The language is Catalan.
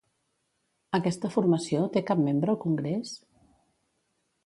Aquesta formació té cap membre al congrés?